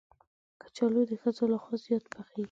کچالو د ښځو لخوا زیات پخېږي